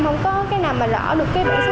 không có cái nào mà rõ được cái bệnh số si